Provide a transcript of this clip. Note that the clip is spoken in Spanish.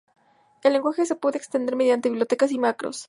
El lenguaje se puede extender mediante bibliotecas y macros.